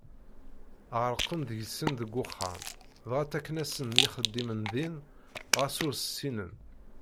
Ɣerqen deg-sen deg uxxam, dɣa ttaken-asen ixeddim din ɣas ur s-ssinen.